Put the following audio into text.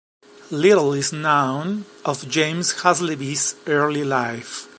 Little is known of James Hasleby's early life.